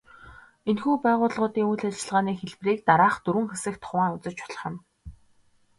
Энэхүү байгууллагуудын үйл ажиллагааны хэлбэрийг дараах дөрвөн хэсэгт хуваан үзэж болох юм.